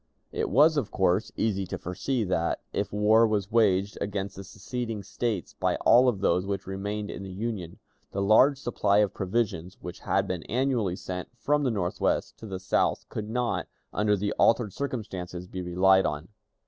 It was, of course, easy to foresee that, if war was waged against the seceding States by all of those which remained in the Union, the large supply of provisions which had been annually sent from the Northwest to the South could not, under the altered circumstances, be relied on.